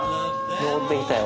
昇ってきたよ。